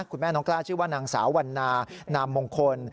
คุณแม่น้องกล้าชื่อว่านางสาววันนานามมงคล